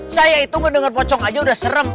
saya itu mendengar pocong aja udah serem